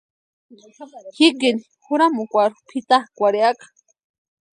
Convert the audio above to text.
Jikini juramukwarhu pʼitakwʼarhiaka.